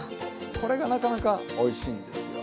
これがなかなかおいしいんですよ。